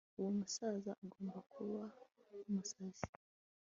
uwo musaza agomba kuba umusazi